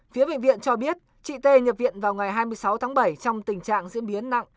phía bệnh viện cho biết chị t nhập viện vào ngày hai mươi sáu tháng bảy trong tình trạng diễn biến nặng